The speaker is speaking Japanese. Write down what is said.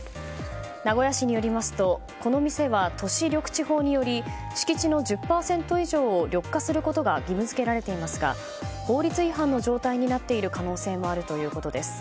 名古屋市によりますとこの店は都市緑地法により敷地の１０％以上を緑化することが義務付けられていますが法律違反の状態になっている可能性もあるということです。